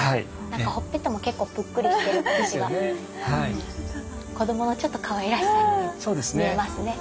何かほっぺたも結構ぷっくりしてる感じが子どものちょっとかわいらしさに見えますね。